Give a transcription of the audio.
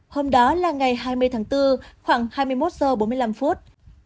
hôm đó là ngày hai mươi tháng bốn khoảng hai mươi một giờ bốn mươi năm phút